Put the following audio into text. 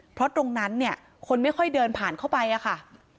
เพราะตรงนั้นเนี่ยคนไม่ค่อยเดินผ่านเข้าไปอะค่ะ